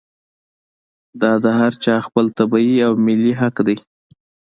دا د هر چا خپل طبعي او ملي حق دی.